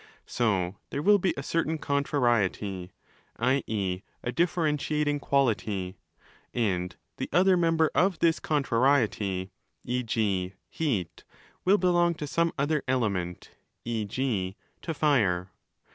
So there will be a certain contrariety, i.e. a differentiating quality:? and the other member of this contrariety, e.g. heat, will belong to some other 'element', e.g. to Fire.